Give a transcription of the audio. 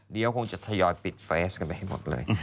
เดี๋ยวคงจะทยอยปิดเฟสกันไปให้หมดเลย